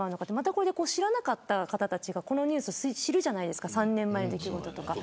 これで知らなかった方たちがこのニュースを知るじゃないですか３年前の出来事とか。